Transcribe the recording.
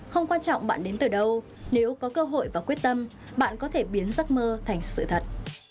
không quan trọng bạn đến từ đâu nếu có cơ hội và quyết tâm bạn có thể biến giấc mơ thành sự thật